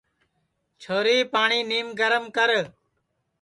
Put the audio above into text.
چھوری پاٹؔی نیم گرم کر